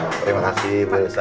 terima kasih ibu elsa